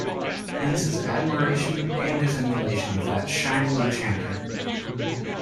Hence his admiration and his emulation of that shining enchanter.